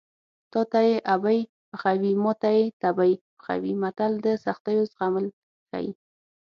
تاته یې ابۍ پخوي ماته یې تبۍ پخوي متل د سختیو زغمل ښيي